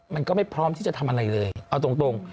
มันก็ไม่พร้อมที่จะทำอะไรเลยเอาตรง